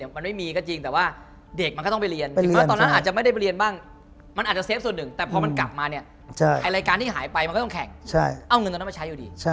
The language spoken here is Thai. เอาเงินตะมาใช้อยู่ดิ